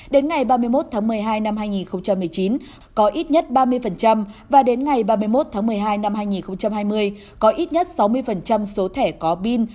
đến ngày ba mươi một một mươi hai hai nghìn một mươi chín có ít nhất ba mươi và đến ngày ba mươi một một mươi hai hai nghìn hai mươi có ít nhất sáu mươi số thẻ có pin